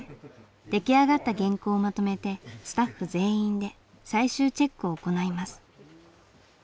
出来上がった原稿をまとめてスタッフ全員で最終チェックを行います。